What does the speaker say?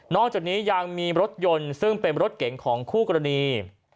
อกจากนี้ยังมีรถยนต์ซึ่งเป็นรถเก๋งของคู่กรณี